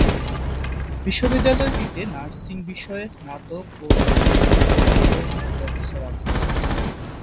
বিশ্ববিদ্যালয়টিতে nursing বিষয়ে স্নাতক ও স্নাতকোত্তর অধ্যয়নের ব্যবস্থা রাখা হবে।